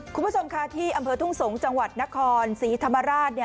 คุณผู้ชมค่ะที่อำเภอทุ่งสงศ์จังหวัดนครศรีธรรมราช